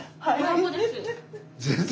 はい。